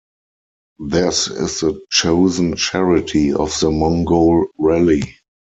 This is the chosen Charity of the Mongol Rally.